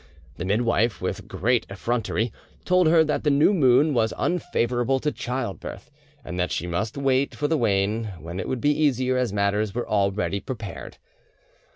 The midwife with great effrontery told her that the new moon was unfavourable to childbirth, and that she must wait for the wane, when it would be easier as matters were already prepared.